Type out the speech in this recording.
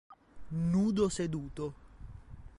Nudo seduto